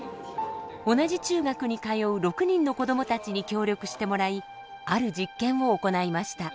同じ中学に通う６人の子どもたちに協力してもらいある実験を行いました。